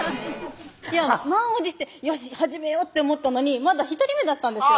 満を持してよし始めようって思ったのにまだ１人目だったんですよ